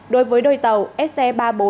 đối với đôi tàu se ba mươi bốn